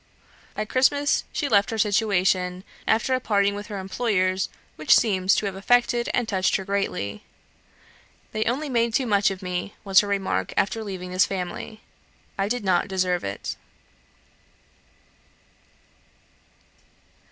At Christmas she left her situation, after a parting with her employers which seems to have affected and touched her greatly. "They only made too much of me," was her remark, after leaving this family; "I did not deserve it."